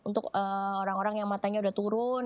untuk orang orang yang matanya udah turun